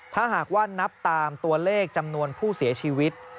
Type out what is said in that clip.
ถ้าหากว่านับตามตัวเลขจำนวนผู้เสียชีวิต